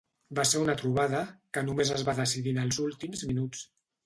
Va ser una trobada que només es va decidir en els últims minuts.